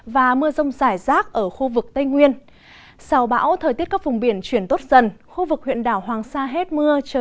và sau đây là dự báo thời tiết trong ba ngày tại các khu vực trên cả nước